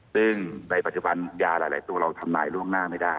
ซึ่งในปัจจุบันยาหลายตัวเราทำนายล่วงหน้าไม่ได้